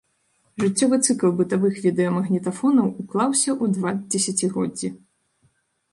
Жыццёвы цыкл бытавых відэамагнітафонаў уклаўся ў два дзесяцігоддзі.